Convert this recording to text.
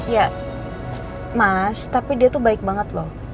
ya mas tapi dia tuh baik banget loh